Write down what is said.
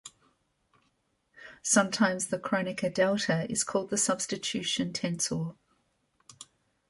Sometimes the Kronecker delta is called the substitution tensor.